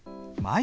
あ。